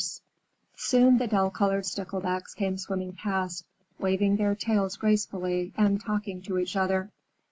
Page 39] Soon the dull colored Sticklebacks came swimming past, waving their tails gracefully, and talking to each other.